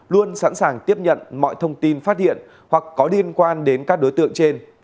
luôn sẵn sàng tiếp nhận mọi thông tin phát hiện hoặc có liên quan đến các đối tượng trên